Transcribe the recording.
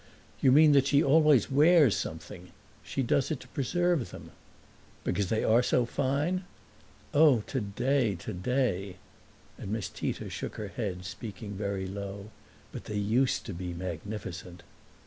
"You mean that she always wears something? She does it to preserve them." "Because they are so fine?" "Oh, today, today!" And Miss Tita shook her head, speaking very low. "But they used to be magnificent!"